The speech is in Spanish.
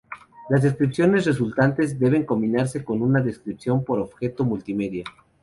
Las descripciones resultantes deben combinarse con una descripción por objeto multimedia.